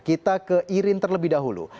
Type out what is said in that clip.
kita ke irin terlebih dahulu